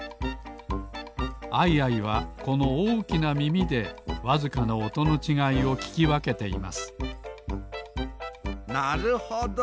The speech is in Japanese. アイアイはこのおおきなみみでわずかなおとのちがいをききわけていますなるほど。